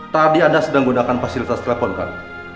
tadi anda sedang menggunakan fasilitas telepon kan